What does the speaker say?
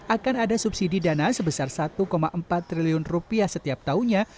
akan ada subsidi dana sebesar satu empat triliun rupiah setiap tahunnya